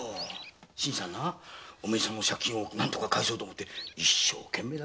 新さんなお前さんの借金を何とか返そうと思って一生懸命だったんだぞ。